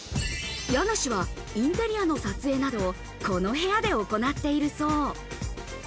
家主はインテリアの撮影などをこの部屋で行っているそう。